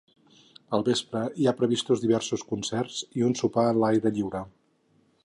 Al vespre hi ha previstos diversos concerts i un sopar a l’aire lliure.